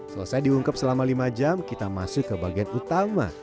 selesai diungkap selama lima jam kita masuk ke bagian utama